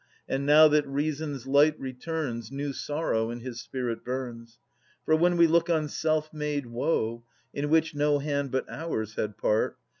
And now that Reason's light returns. New sorrow in his spirit burns. For when we look on self made woe, In which no hand but ours had part.